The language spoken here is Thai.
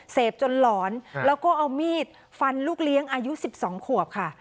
จนหลอนแล้วก็เอามีดฟันลูกเลี้ยงอายุ๑๒ขวบค่ะ